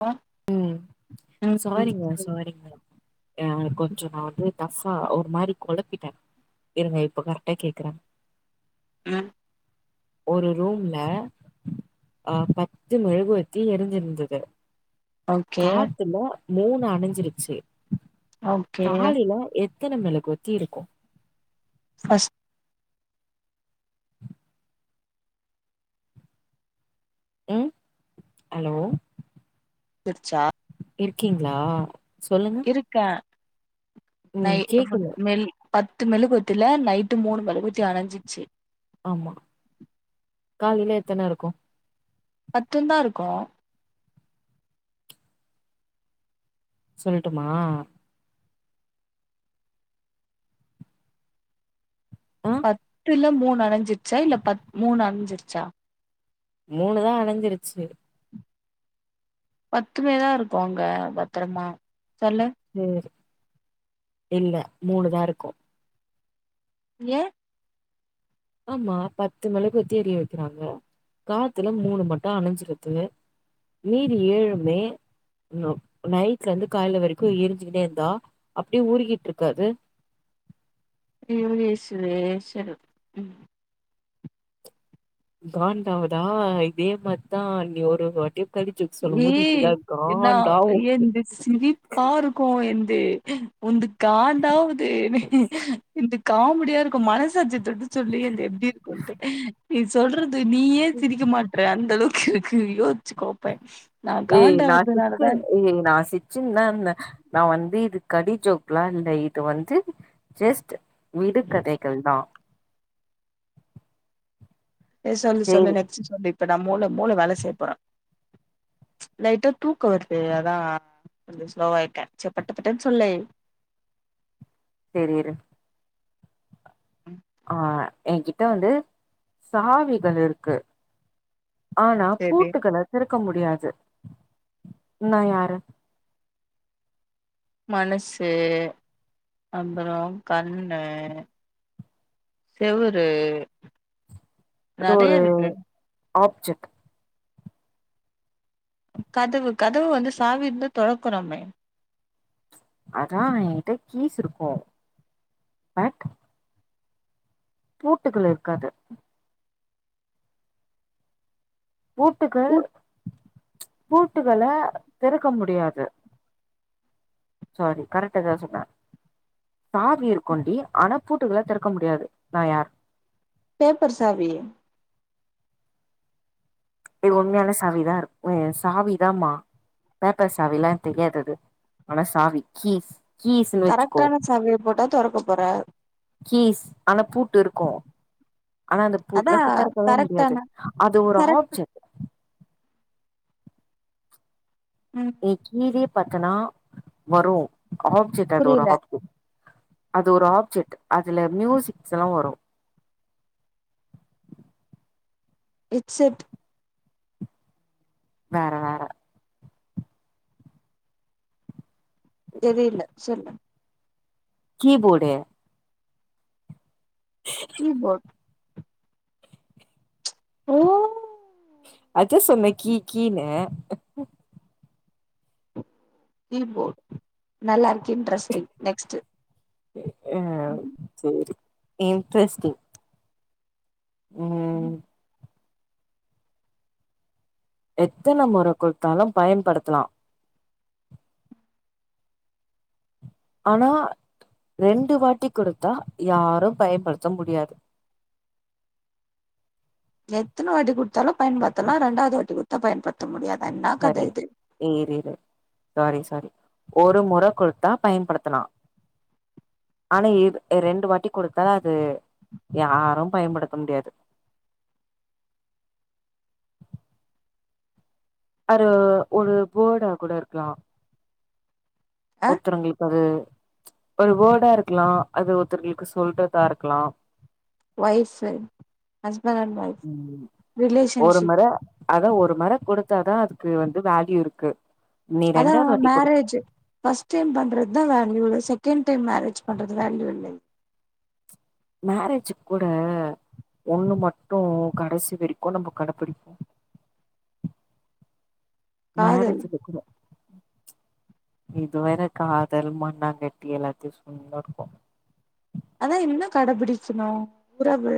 ஆ ம் ம் சாரிங்க சாரிங்க அ கொஞ்சோ ந வந்து டப்ஃபா ஒரு மாரி குழப்பிட்டேன் இருங்க இப்ப கரெக்டா கேக்குற ம் ஒரு ரூம்ல அ பத்து மெழுகுவத்தி எரிஞ்சிருந்தது ஓகே காத்துல மூணு அணஞ்சிருச்சு ஓகே காலைல எ எத்தனை மெழுகுவத்தி இருக்கும் ஃபஸ்ட் ம் ஹலோ டிச்சா இருக்கீங்களா சொல்லுங் இருக்க நை கேக்குது மெல் பத்து மெழுகுவத்தில நைட்டு மூணு மெழுகுவத்தி அணஞ்சிருச்சு ஆமா காலையில எத்தன இருக்கும் பத்துந்தான் இருக்கோ சொல்ட்டுமா ஆ பத்துல மூணு அணஞ்சிருச்சா இல்ல பத் மூணு அணஞ்சிருச்சா மூணு தான் அணஞ்சிருச்சு பத்துமே தான் இருக்கும் அங்க பத்திரமா சொல்லே சேரி இல்ல மூணுதான் இருக்கும் ஏ ஆமா பத்து மெழுகுவர்தி எரிய வைக்கிறாங்க காத்துல மூணு மட்டும் அணஞ்சிருது மீதி ஏழுமே நோ நைட்ல இருந்து கால்ல வரைக்கும் எரிஞ்சிக்கிட்டே இருந்தா அப்டே உறிக்கிட்டு இருக்காது ஐயோ ஏசுவே ச ம் காண்டாவுதா இதே மாறிதா நீ ஒருவொருவாட்டி கடி ஜோக் சொல்லும் போது ஏய் இப்டிதான் இருக்கு நா காண்டாகும் என்து சிரிப்பா இருக்கும் என்து உன்து காண்டாவுது என்து காமெடியா இருக்கும் மனசாட்சி தொட்டு சொல்லி என்து எப்டி இருக்கும்ட்டு நீ சொல்றது இது நீயே சிரிக்க மாட்ற அந்த அளவுக்கு இருக்கு யோஸ்சிக்கோ அப்ப நா ஏ நா ஃபிப்து காண்டாவதுனாலதா ஏ நா சிக்ஸ் சிச்சினு தான் இருந்த நான் வந்து இது கடிஜோக்கல்லா இல்ல இது வந்து ஜஸ்ட் விடு கதைகள் தான் எ சொல்லு சொல்லு சேரி நெக்ஸ்ட் சொல்லு இப்ப நான் மூள மூள வேல செய்ய போற லைட்டா தூக்கோ வருது அதா கொஞ்சோ ஸ்லோவா ஆய்ட்ட சேர் பட்டு பட்டுனு சொல்லே சேரி இரு ம் அ என்கிட்ட வந்து சாவி கொஞ்சோ இருக்கு ஆனா சேரி பூட்டுகள திறக்க முடியாது நா யாரு மனசு அப்றோம் கண்ணு செவூரு அது நறையா ஒரு இருக்கு ஆப்ஜெக்ட் கதவு கதவு வந்து சவி இருந்தா தொரகுரமே அதா எகிட்ட கேஸ் இருக்கு பட் பூட்டுகுள்ள இருக்காது பூட்டுக்கு பூட் பூட்டுகள திறக்க முடியாது சாரி கரெக்ட்டாதா சொன்ன சாவி இருக்குடி ஆன பூட்டுகள தறக்க முடியாது நா யார் பேப்பர் சாவி உண்மையான சாவிதா இருக்கு சாவிதாமா பேப்பர் சவில்லா தெரியாதாது ஆனா சாவி கீஸ் கீஸ்ன்னு வச்சுக்கோ கரெக்டான சாவிய போட்டா தொரக்க போற கீஸ் ஆனா பூட்டு இருக்கு ஆனா அந்த அதா பூட்டலா தொறக்கவே முடியாது கரெக்டான அது ஒரு கரெக்ட் ஆப்ஜெக்ட் ம் நீ கீலயே பத்தன வரு ஆப்ஜெக்ட் அது ஒரு புரியல ஆப்ஜெக்ட் அது ஒரு ஆப்ஜெக்ட் அதுல மியூசிக்ஸ்லா வரு ஹெட்செட் வேற வேற தெரில சொல்லு கீபோடு கீபோட் ஓ அதா சொன்ன கீ கீனு கீபோட் நல்லாருக்கு இன்ட்ரெஸ்டிங் நெக்ஸ்ட்டு ஆ செரி இன்ட்ரஸ்டிங் ம் ம் எத்தன மொற குடுத்தாலு பயன்படுத்தலா ஆனா ரெண்டு வாட்டி குடுத்தா யாரு பயன்படுத்த முடியாது எத்தனவாட்டி குடுத்தாலு பயன்படுத்தலா ரெண்டாவ்து வாட்டி குடுத்தா பயன்படுத்த முடியாதா என்னா கத இது எ இரு இரு சாரி சாரி ஒரு முற குடுத்தா பயன்படுத்தலா ஆனா இரு ரெண்டு வாட்டி குடுத்தா அது யாரு பயன்படுத்த முடியாது அரு ஒரு போர்டா கூட இருக்கலா ஆ ஒருத்தருங்களுக்கு அது ஒரு வேர்டா இருக்கலா அது ஒருத்தங்களுக்கு சொல்றதா இருக்கலா wife husband and wife relationship அத ஒருமொற கொடுத்தாதா அதுக்கு வந்து வேல்யூ இருக்கு நீ அதா ரெண்டாவது வாட்டி குடு மேரேஜு ஃர்ஸ்ட் டைம் பண்றத்தா வேல்யூ செகண்ட் டைம் மேரேஜ் பண்றது வேல்யூ இல்லை மேரேஜுக்கூட ஒன்னு மட்டு கடைசி வரிக்கு நம்ம கடபிடிப்போ காதல் மேரேஜுக் [unintelligible] இதுவேற காதல் மண்ணாங்கட்டி எல்லாத்தியும் சொல்னேருக்கு அதா என்ன கடபிடிக்கணு உறவு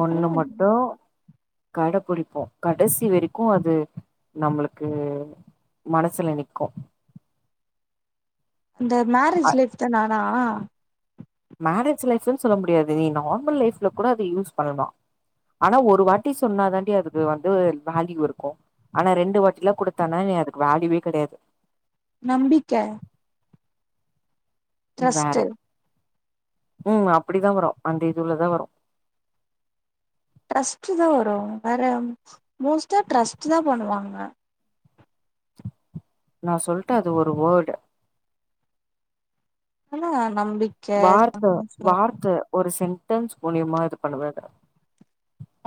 ஒன்னு அதெல்லா மட்டு கடபுடிப்போ கடசி வரிக்கு அது நம்முளுக்கு மனசுல நிக்கு இந்த அ மேரேஜ் லைஃதான ஆனா மேரேஜ் லைஃப்னு சொல்ல முடியாது நீ நார்மல் லைஃப்ல கூட அத யூஸ் பண்ணலா ஆனா ஒரு வாட்டி சொன்னா தாண்டி அதுக்கு வந்து வேல்யூ இருக்கு ஆனா ரெண்டு வாட்டில்லா குடுத்தானா நீ அதுக்கு வேல்யூவே கெடையாது நம்பிக்க ம் வேற ட்ரஸ்ட்டு ம் அப்படிதா வரு அந்த இதுலதா வரு ட்ரஸ்ட்டு தா வரு வேற மோஸ்ட்டா ட்ரஸ்ட்டு தா பண்ணுவாங்க நா சொல்டே அது ஒரு வேர்டு ஆனா நம்பிக் வார்த்தோ வார்த்த ஒரு சென்டன்ஸ் மூலியமா இது பண்ணுவ இது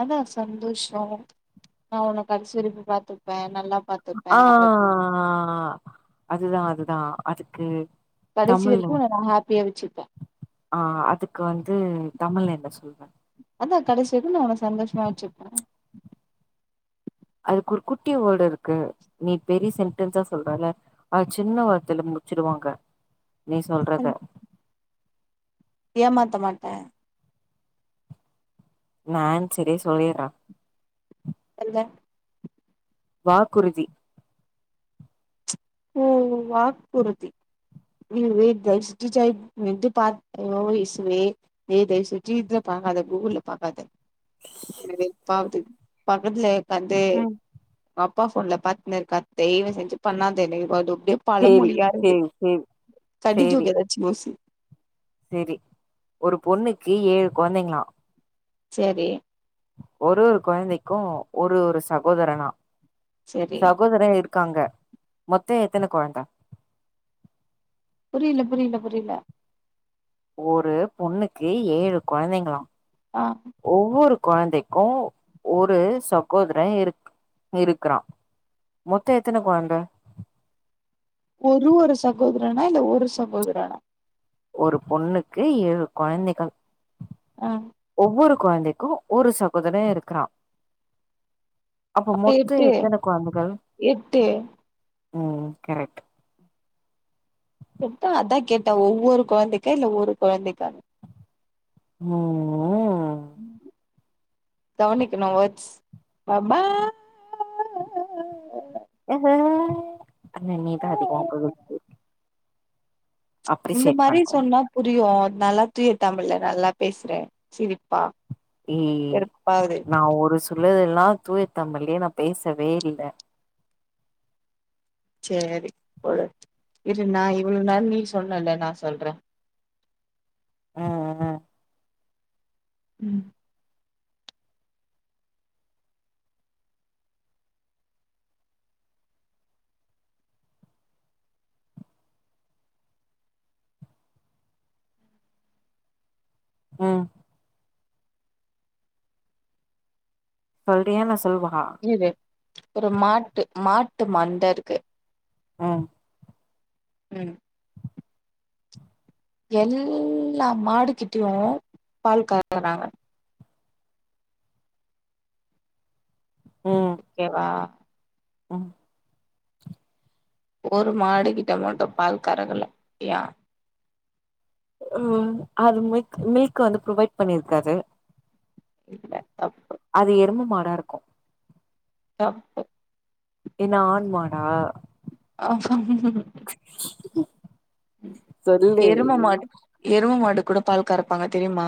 அதா சந்தோஷோ நா ஒன்ன கடைசி வரைக்கு பாத்துப்பே நல்லா பாத் ஆ அதுதா அதுதா அதுக்கு கடசி தமிழ்ல வரைக்கு உன்ன நா ஹாப்பியா வச்சிருப்பே ஆ அதுக்கு வந்து தமிழ்ல என்ன சொல்வ அதா கடைசி வரைக்கும் நா உன்ன சந்தோஷமா வச்சுப்பே அதுக்கு ஒரு குட்டி வேர்டு இருக்கு நீ பெரி சென்டன்ஸா சொல்றல அ சின்ன வார்த்தேல முடிச்சுடுவாங்க நீ சொல்றத ஏமாத்த மாட்டே நா ஆன்சரே சொல்லிடுறே எந்த வாக்குறுதி ம் வாக் குறுதி ம் வெயிட் தயவு செஞ்சி ஜெயந் வந் பாத் ஓ ஏசுவே ஏ தயவு செஞ்சி இத பாக்காத குகூல்ல பாக்காத வெறுப்பாவுது பக்கத்திலே வந்து ம் அப்பா ஃபோன்ல பாத்துனு இருக்கா தெய்வு செஞ்சு பண்ணாதா தெய்வா துப்பேப் சேரி பழமொழி யாரிது சேரி சேரி கடி சேரி ஜோக் ஏதாச்சு யோசி சேரி ஒரு பொண்ணுக்கு ஏழு கொழந்தைங்களா செரி ஒரு ஒரு கொழந்தைக்கு ஒரு ஒரு சகோதரனா சேரி சகோதரே இரு க்காங்க மொத்தோ எத்தன கொழந்த புரில புரில புரில ஒரு பொண்ணுக்கு ஏழு கொழந்தைங்களா ஆ ஒவ்வொரு கொழந்தைக்கு ஒரு சகோதரே இருக் இருக்றா மொத்த எத்தன கொழந்த ஒரு ஒரு சகோதரனா இல்ல ஒரு சகோதரனா ஒரு பொண்ணுக்கு ஏழு கொழந்தைகள் ஆ ஒவ்வொரு கொழந்தைக்கு ஒரு சகோதரே இருக்றா அப்போ அப்ப மொத்த எட்டு எத்தன கொழந்தைகள் எட்டு ம் கரெக்ட் மொத்தோ அதா கேட்ட ஒவ்வொரு கொழந்தைக்கா இல்ல ஒரு கொழந்தைக்கானு மோ ம் ஹு கவனிக்கனு வேல்ஸ் பப்பா ஆனா நீதா அதிகமா பொறுப்பு இந்த மாரி பண்றோ சொன்னா புரியூ நல்லா தூய தமிழ்ல நல்லா பேசுறே சிரிப்பா ஏய் வெறுப்பாவுது நா ஒரு சிலதெல்லா தூயத்தமிழ்லயே நா பேசவே இல்ல சேரி பொறு இரு நா இவ்ளோ நேரோ நீ சொன்னல நா சொல்றே ஆ ஆ ம் ம் சொல்றியா நா சொல்வா இரு ஒரு மாட்டு மாட்டு மந்தருக்கு ‌ ம் ம் எல்லா மாடுக்கிட்டியு பால் கறக்குறாங்க ம் ஓகேவா ஆ ஒரு மாடு கிட்ட மட்டு பால் கறக்கல யா ஆ அது மில்க் மில்க் வந்து ப்ரொவைட் பண்ணிருக்காது இல்ல தப்பு அது எரும மாடாருக்கு தப்பு என்ன ஆண் மாடா ஆ சொல்லு எரும மாடு எரும மாடு கூட பால் கறப்பாங்க தெரிமா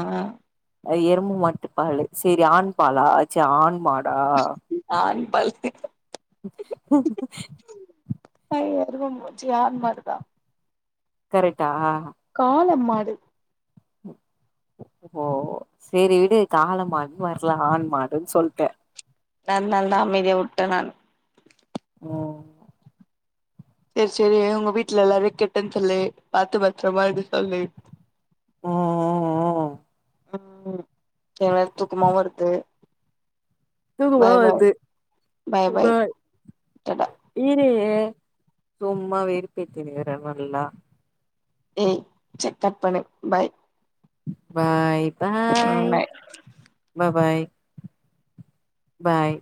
ஆ எரும மாட்டு பால் செரி ஆண் பாலா ச்சீ ஆண் மாடா ஆண் பால் [unintelligible] எரும மா ச்சீ ஆண் மாடு தா கரெக்டா காள மாடு ஓ சேரி விடு காளமாடுன் வர்ல ஆண் மா டுன் சொல்ட்டே அத்னால தா அமைதியா வுட்டே நானு ஓ சேர் சேரி ஒங்க வீட்ல எல்லாரையு கேட்டேன் சொல்லு பாத்து பத்ரமா இருக்க சொல்லு [inaudible] ம் எனக்கு வேற தூக்கமா வருது தூக்கம்மா பாய் பாய் வருது செரி பாய் டாடா இரு சும்மா வெறுப்பேத்தின்னுக்குற நல்லா ம் சே கட் பண்ணு பாய் பாய் ம் பாய் ப பாய் பாய்